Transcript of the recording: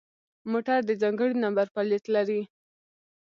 موټر د ځانگړي نمبر پلیت لري.